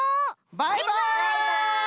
バイバイ！